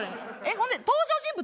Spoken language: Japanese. ほんで登場人物